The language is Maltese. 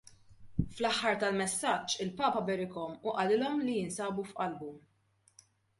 Fl-aħħar tal-messaġġ il-Papa berikhom u qalilhom li jinsabu f'qalbu.